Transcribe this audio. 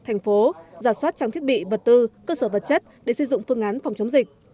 thành phố giả soát trang thiết bị vật tư cơ sở vật chất để xây dựng phương án phòng chống dịch